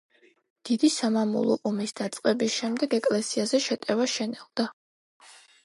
დიდი სამამულო ომის დაწყების შემდეგ ეკლესიაზე შეტევა შენელდა.